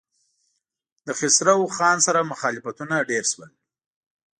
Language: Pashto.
له خسرو خان سره مخالفتونه ډېر شول.